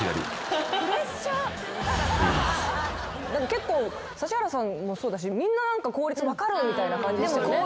結構指原さんもそうだしみんな何か効率分かるみたいな感じでしたよね？